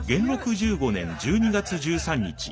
１５年１２月１３日